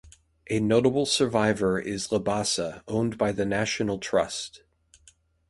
A notable survivor is Labassa owned by the National Trust.